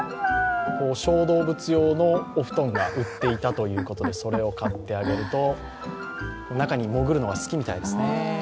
小動物用のお布団が売っていたということでそれを買ってあげると、中に潜るのが好きみたいですね。